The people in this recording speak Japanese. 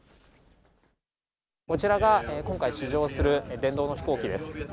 こちらが今回試乗する、電動の飛行機です。